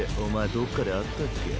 どっかで会ったっけ？